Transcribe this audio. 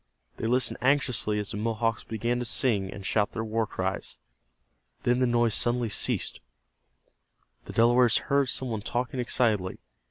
They listened anxiously as the Mohawks began to sing, and shout their war cries. Then the noise suddenly ceased. The Delawares heard some one talking excitedly.